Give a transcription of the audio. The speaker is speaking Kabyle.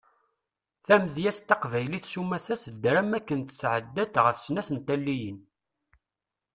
Tamedyazt taqbaylit sumata tedder am waken tɛedda-d ɣef snat n taliyin.